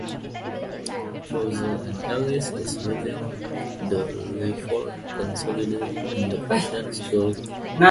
Bausell and Ellis is within the Lyford Consolidated Independent School District.